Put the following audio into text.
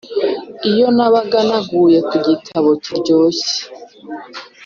iyo nabaga naguye ku gitabo kiryoshye